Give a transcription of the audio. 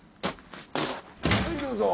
はいどうぞ。